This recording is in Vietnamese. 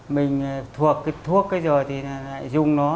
mình thuộc cái thuốc cái rồi thì lại dùng nó